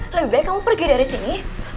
lebih baik kamu pergi dari sini